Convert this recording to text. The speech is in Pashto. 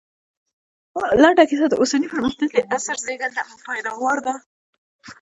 لنډه کيسه د اوسني پرمختللي عصر زېږنده او پيداوار دی